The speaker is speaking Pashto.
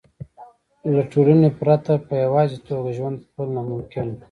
له ټولنې پرته په یوازې توګه ژوند کول ناممکن وو.